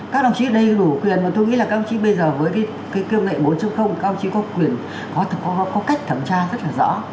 các đồng chí ở đây đủ quyền mà tôi nghĩ là các đồng chí bây giờ với cái cơ nghệ bốn các đồng chí có quyền có cách thẩm tra rất là rõ